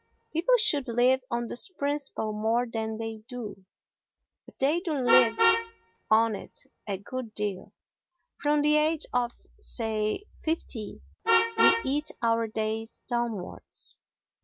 People should live on this principle more than they do, but they do live on it a good deal; from the age of, say, fifty we eat our days downwards.